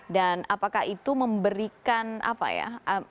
apakah itu memberikan apa ya